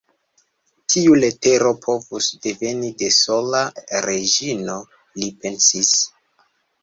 Tiu letero povus deveni de sola Reĝino, li pensis.